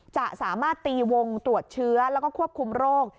จะสามารถตีวงตรวจเชื้อแล้วก็ควบคุมโรค